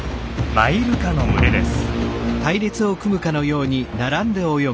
マイルカの群れです。